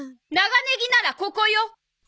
長ネギならここよ。